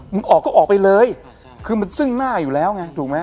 ออกก็ออกไปเลยคือมันซึ่งหน้าอยู่แล้วไงถูกไหม